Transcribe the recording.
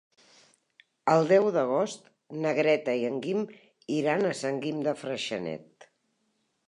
El deu d'agost na Greta i en Guim iran a Sant Guim de Freixenet.